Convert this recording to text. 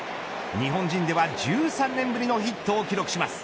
日本人では１３年ぶりのヒットを記録します。